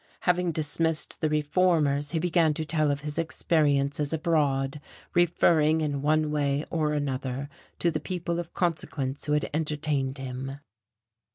Having dismissed the reformers, he began to tell of his experiences abroad, referring in one way or another to the people of consequence who had entertained him.